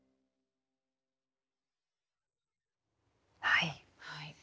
はい。